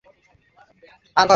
আমি ছিলাম আবদ্ধ, অসহায়।